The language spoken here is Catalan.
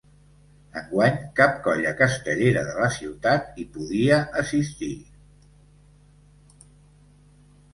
Enguany cap colla castellera de la ciutat hi podia assistir.